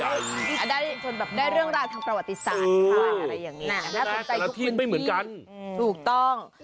อาจจะได้เรื่องราวทางประวัติศาสตร์ถ้าใครใจทุกคนดีถูกต้อง